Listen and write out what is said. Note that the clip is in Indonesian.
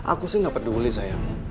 aku sih gak peduli saya